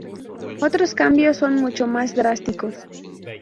Otros cambios son mucho más drásticos.